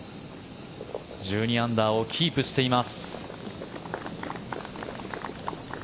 １２アンダーをキープしています。